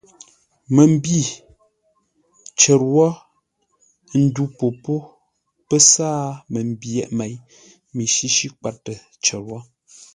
Məmbî cər wó ə́ ndu popó pə́ sáa məmbyeʼ měi mi shíshí kwatə cər wó.